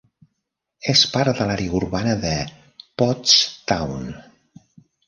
És part de l'àrea urbana de Pottstown.